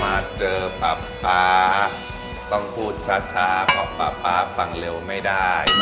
มาเจอป๊าป๊าต้องพูดช้าเพราะป๊าป๊าฟังเร็วไม่ได้